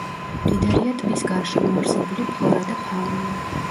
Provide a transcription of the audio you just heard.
მდიდარია ტბის გარშემო არსებული ფლორა და ფაუნა.